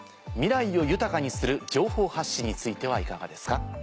「未来を豊かにする情報発信」についてはいかがですか？